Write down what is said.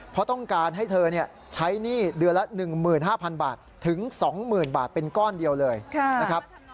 เพราะต้องการให้เธอใช้หนี้เดือนละ๑๕๐๐บาทถึง๒๐๐๐บาทเป็นก้อนเดียวเลยนะครับ